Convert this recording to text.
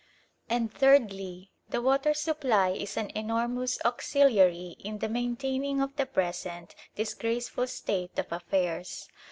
And thirdly, the water supply is an enormous auxiliary in the maintaining of the present disgraceful state of affairs.